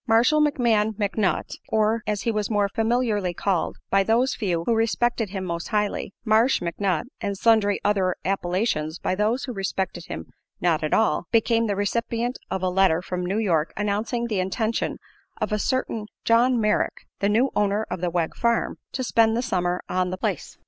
Marshall McMahon McNutt, or, as he was more familiarly called by those few who respected him most highly, "Marsh" McNutt (and sundry other appellations by those who respected him not at all), became the recipient of a letter from New York announcing the intention of a certain John Merrick, the new owner of the Wegg Farm, to spend the summer on the place.